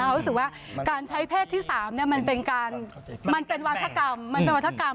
เรารู้สึกว่าการใช้เพศที่๓มันเป็นวัฒนากรรม